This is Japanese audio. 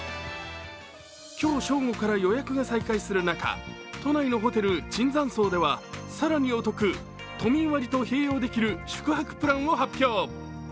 今日正午から予約が再開する中、都内のホテル椿山荘では更にお得、都民割と併用できる宿泊プランを発表。